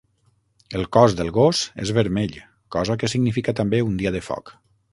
El cos del gos és vermell, cosa que significa també un dia de foc.